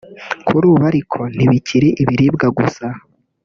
Kuri ubu ariko ntibikiri ibiribwa gusa